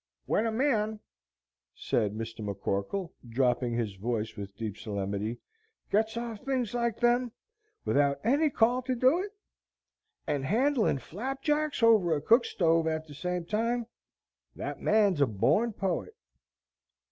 When a man," said Mr. McCorkle, dropping his voice with deep solemnity, "gets off things like them, without any call to do it, and handlin' flapjacks over a cookstove at the same time, that man's a borned poet."